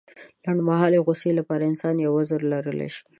لنډمهالې غوسې لپاره انسان يو عذر لرلی شي.